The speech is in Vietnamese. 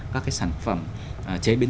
các sản phẩm chế biến